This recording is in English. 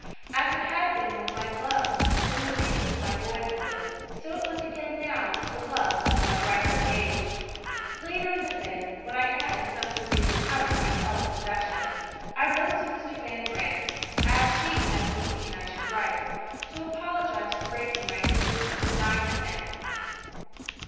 As it had been with my love, in the days of my boyhood, so it was again now with the love of my riper age! Later in the day, when I had in some degree recovered my self possession, I wrote to Mr. Van Brandt as she had foreseen I should write! to apologize for breaking my engagement to dine with him.